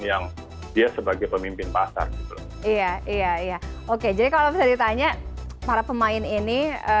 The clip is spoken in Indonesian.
yang dia sebagai pemimpin pasar gitu loh iya iya oke jadi kalau bisa ditanya para pemain ini